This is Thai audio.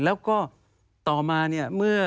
แล้วก็ต่อมาเนี่ย